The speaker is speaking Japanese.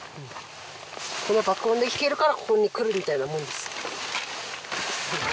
この爆音で聴けるからここに来るみたいなもんです